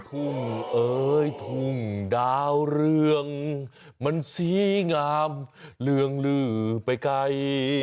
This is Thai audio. ทุ่งเอ๋ยทุ่งดาวเรืองมันสีงามเรืองลือไปไกล